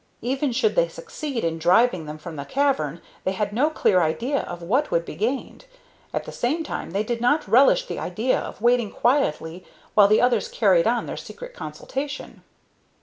Even should they succeed in driving them from the cavern, they had no clear idea of what would be gained. At the same time they did not relish the idea of waiting quietly while the others carried on their secret consultation.